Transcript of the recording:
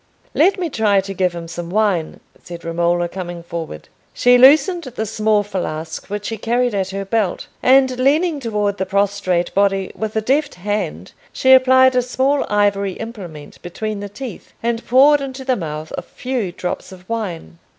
"Let me try to give him some wine," said Romola, coming forward. She loosened the small flask which she carried at her belt, and, leaning towards the prostrate body, with a deft hand she applied a small ivory implement between the teeth, and poured into the mouth a few drops of wine.